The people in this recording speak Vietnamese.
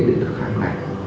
để được khám lại